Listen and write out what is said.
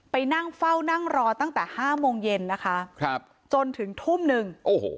ไปนั่งเฝ้านั่งรอตั้งแต่ห้าโมงเย็นนะคะจนถึงทุ่มหนึ่ง